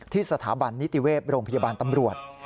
สถาบันนิติเวศโรงพยาบาลตำรวจ